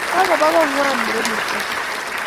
Kakopa kong'wan murenek cho